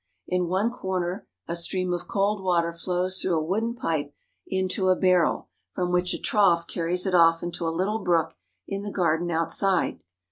In one corner a stream of cold water flows through a wooden pipe into a barrel, from which a trough carries it off into a little brook in the garden outside.